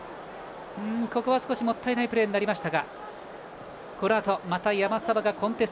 ここはもったいないプレーになりました。